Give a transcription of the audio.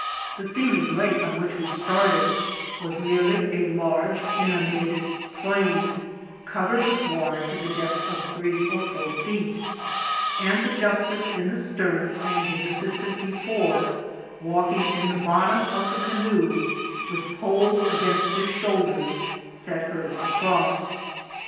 The seeming lake on which we started was merely a large inundated plain, covered with water to the depth of three or four feet ; and the justice in the stern, and his assistant before, walking in the bottom of the ca noe, with poles against their shoulders, set her across.